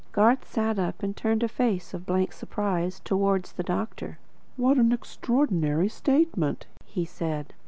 Garth sat up and turned a face of blank surprise towards the doctor. "What an extraordinary statement!" he said.